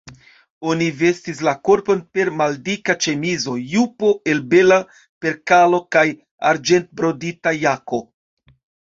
Oni vestis la korpon per maldika ĉemizo, jupo el bela perkalo kaj arĝentbrodita jako.